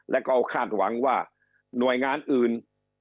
แล้วก็คาดหวังว่าหน่วยงานอื่น